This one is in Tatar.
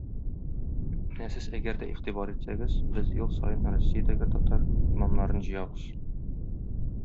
Менә сез әгәр дә игътибар итсәгез, без ел саен Россиядәге татар имамнарын җыябыз.